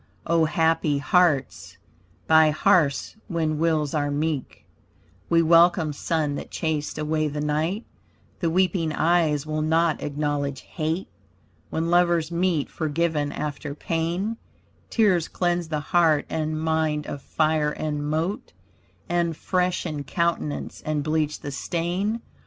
O happy hearts, by hearths when wills are meek! We welcome sun that chased away the night. The weeping eyes will not acknowledge hate. When lovers meet forgiven after pain, Tears cleanse the heart and mind of fire and mote, And freshen countenance and bleach the stain.